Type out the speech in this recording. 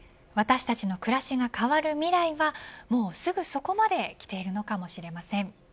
私たちの暮らしが変わる未来はもうすぐそこまで来ているのかもしれません。